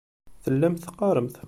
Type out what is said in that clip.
Tellamt teqqaremt.